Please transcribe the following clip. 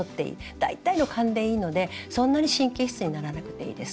大体の勘でいいのでそんなに神経質にならなくていいです。